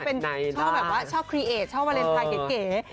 เป็นชอบแบบว่าชอบคลีเอดชอบวาเลนไทยเก๋